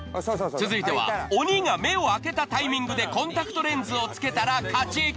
続いては鬼が目を開けたタイミングでコンタクトレンズをつけたら勝ち。